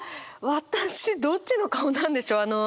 私どっちの顔なんでしょう？